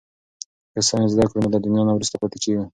که ساینس زده کړو نو له دنیا نه وروسته پاتې کیږو.